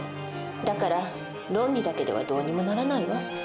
だから論理だけではどうにもならないわ。